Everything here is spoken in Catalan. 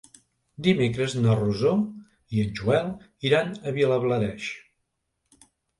Dimecres na Rosó i en Joel iran a Vilablareix.